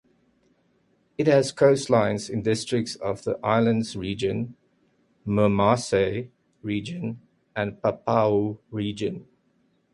It has coastlines in districts of the Islands Region, Momase Region, and Papua Region.